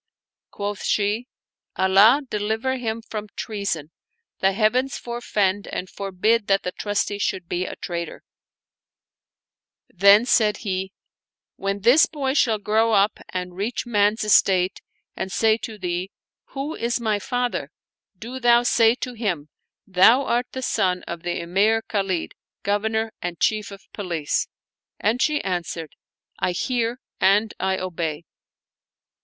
Quoth she, " Allah deliver him from treason ! the heavens forfend and forbid that the ' Trusty ' should be a traitor !" Then said he, " When this boy shall grow up and reach man's estate and say to thee : Who is my father ? do thou say to him: Thou art the son of the Emir Khalid, Governor and Chief of Police." And she answered, " I hear and I obey."